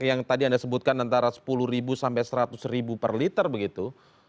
yang tadi anda sebutkan antara sepuluh sampai seratus per liter begitu